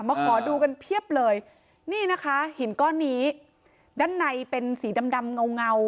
ขอดูกันเพียบเลยนี่นะคะหินก้อนนี้ด้านในเป็นสีดำดำเงาเงา